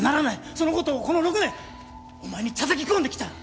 その事をこの６年お前にたたき込んできた。